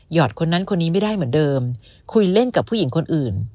อดคนนั้นคนนี้ไม่ได้เหมือนเดิมคุยเล่นกับผู้หญิงคนอื่น